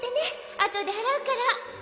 あとであらうから。